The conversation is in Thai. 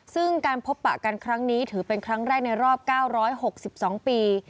ซึ่งการพบปะกันครั้งนี้ถือเป็นครั้งแรกในรอบ๙๖๒ปี